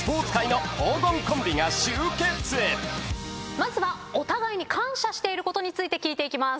まずはお互いに感謝していることについて聞いていきます。